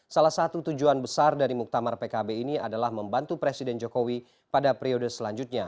salah satu tujuan besar dari muktamar pkb ini adalah membantu presiden jokowi pada periode selanjutnya